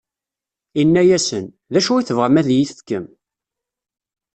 Inna-asen: D acu i tebɣam ad yi-t-tefkem?